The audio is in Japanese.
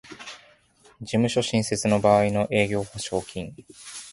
事務所新設の場合の営業保証金